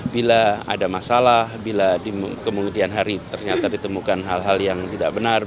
bila ada masalah bila di kemudian hari ternyata ditemukan hal hal yang tidak benar